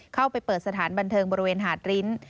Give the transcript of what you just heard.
เข้าไปเปิดสถานบันเทิงบริเวณหาดริ้น